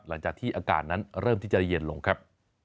หลังจากที่อากาศนั้นเริ่มที่จะเย็นลงครับ